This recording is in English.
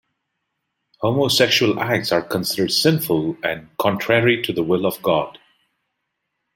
Homosexual acts are considered sinful and "contrary to the will of God".